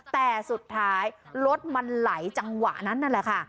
แต่สุดท้ายรถมันไหลจังหวะนั้นนั่นแหละค่ะ